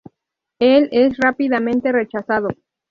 Él es rápidamente rechazado.